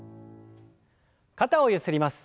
肩をゆすります。